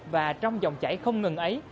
và trong dòng chảy không ngừng ấy